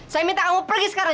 saya minta kamu pergi sekarang